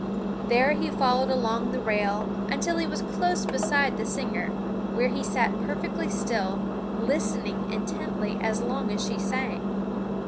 There he followed along the rail until he was close beside the singer, where he sat perfectly still, listening intently as long as she sang.